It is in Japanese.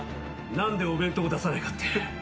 何でお弁当を出さないかって？